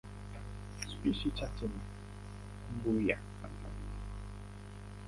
Spishi chache ni mbuai hasa.